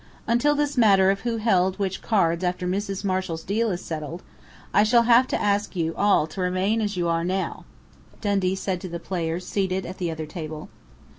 "Until this matter of who held which cards after Mrs. Marshall's deal is settled, I shall have to ask you all to remain as you are now," Dundee said to the players seated at the other table.